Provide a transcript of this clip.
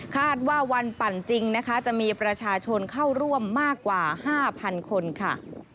ว่าวันปั่นจริงนะคะจะมีประชาชนเข้าร่วมมากกว่า๕๐๐คนค่ะ